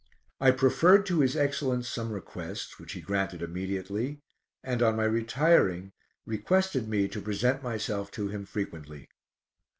I preferred to his Excellence some requests, which he granted immediately, and on my retiring, requested me to present myself to him frequently.